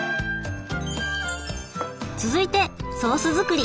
続いてソース作り。